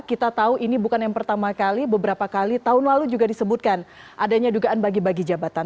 kita tahu ini bukan yang pertama kali beberapa kali tahun lalu juga disebutkan adanya dugaan bagi bagi jabatan